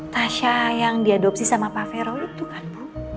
tasya yang diadopsi sama pak fero itu kan bu